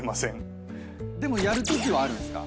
でもやるときはあるんすか？